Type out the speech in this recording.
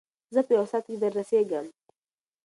زه په یو ساعت کې در رسېږم.